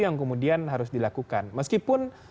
yang kemudian harus dilakukan meskipun